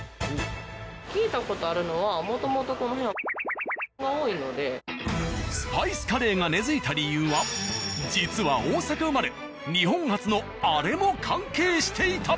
聞いた事あるのはスパイスカレーが根づいた理由は実は大阪生まれ日本初のあれも関係していた。